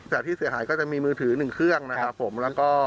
ที่เสียหายก็จะมีมือถือหนึ่งเครื่องนะครับผมแล้วก็